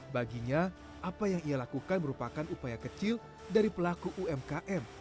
baginya apa yang ia lakukan merupakan upaya kecil dari pelaku umkm